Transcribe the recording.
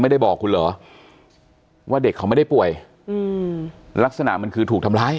ไม่ได้บอกคุณเหรอว่าเด็กเขาไม่ได้ป่วยอืมลักษณะมันคือถูกทำร้าย